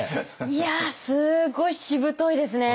いやすごいしぶといですね。